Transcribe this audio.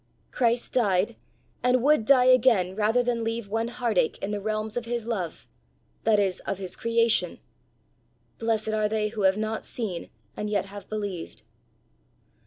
Christ died and would die again rather than leave one heart ache in the realms of his love that is, of his creation. 'Blessed are they who have not seen and yet have believed!